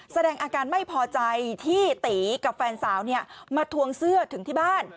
แสดงอาการไม่พอใจที่ตีกับแฟนสาวมาทวงเสื้อถึงที่บ้าน